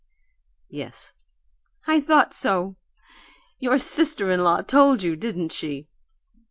"Yes." "I thought so! Your sister in law told you, didn't she?"